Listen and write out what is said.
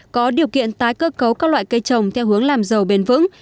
có điều kiện tái cơ cấu các loại cây trồng theo hướng làm giàu bền vững